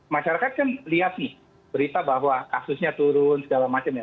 masyarakat kan lihat nih berita bahwa kasusnya turun segala macam ya